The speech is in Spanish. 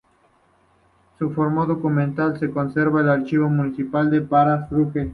Su fondo documental se conserva en el Archivo Municipal de Palafrugell.